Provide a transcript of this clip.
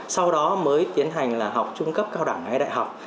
sau đó mới tiến hành là học trung cấp cao đẳng hay đại học